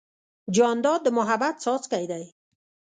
جانداد د محبت څاڅکی دی.